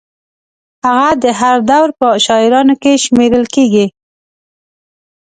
هغه د هر دور په شاعرانو کې شمېرل کېږي.